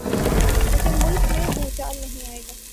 لیکن ملک میں بھونچال نہیں آئے گا۔